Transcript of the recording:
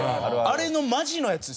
あれのマジのやつですもんね！